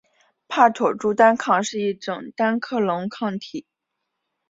帕妥珠单抗是一种单克隆抗体。